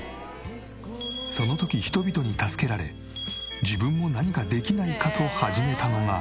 その時人々に助けられ自分も何かできないかと始めたのが。